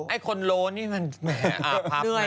ไอ้คนโลนี่มันแหมอาบเลื่อย